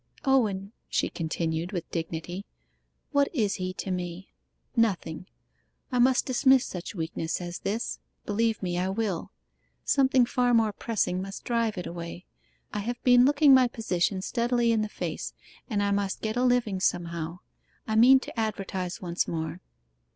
'Owen,' she continued, with dignity, 'what is he to me? Nothing. I must dismiss such weakness as this believe me, I will. Something far more pressing must drive it away. I have been looking my position steadily in the face, and I must get a living somehow. I mean to advertise once more.